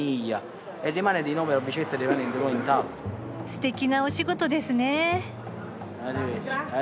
すてきなお仕事ですね。